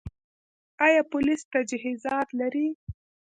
آیا پولیس تجهیزات لري؟